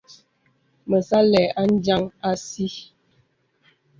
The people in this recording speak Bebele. Me sà àlə̄ adiāŋ àsi.